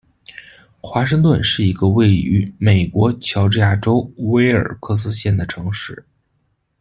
华盛顿是一个位于美国乔治亚州威尔克斯县的城市。